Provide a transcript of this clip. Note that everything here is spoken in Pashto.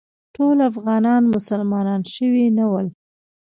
ټول افغانان مسلمانان شوي نه ول.